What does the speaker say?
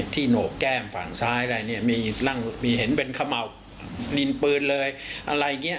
โหนกแก้มฝั่งซ้ายอะไรเนี่ยมีเห็นเป็นเขม่านินปืนเลยอะไรอย่างนี้